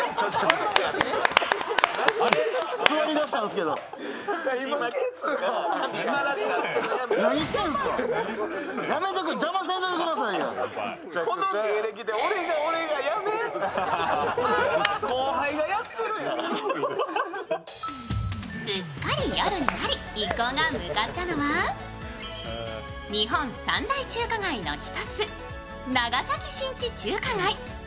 すっかり夜になり、一行が向かったのは日本三大中華街の一つ、長崎新地中華街。